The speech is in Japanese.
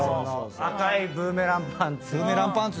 赤いブーメランパンツ。